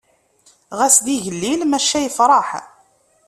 Ɣas d igellil maca yefṛeḥ.